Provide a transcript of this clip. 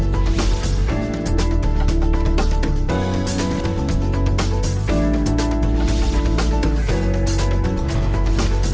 pertahanan sebuah negara tentu merupakan kunci untuk menjaga keamanan negara di dunia